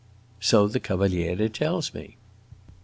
"So the Cavaliere tells me."